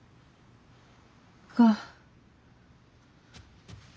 が。